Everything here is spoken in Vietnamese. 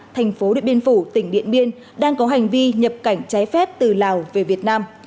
thành phố điện biên phủ tỉnh điện biên đang có hành vi nhập cảnh trái phép từ lào về việt nam